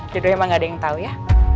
dulu emang gak ada yang tau ya